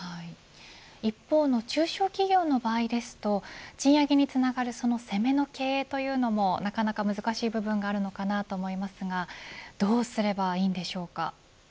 一方の中小企業の場合ですと賃上げにつながるその攻めの経営というのもなかなか難しい部分があると思いますがどうすればいいのでしょうか。